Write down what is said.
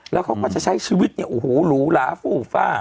แล้วเขาก็จะใช้ชีวิตเนี่ยโอ้โหหรูหลาฟูฟ่า